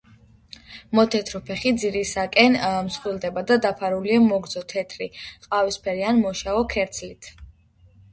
მოთეთრო ფეხი ძირისაკენ მსხვილდება და დაფარულია მოგრძო თეთრი, ყავისფერი ან მოშავო ქერცლით.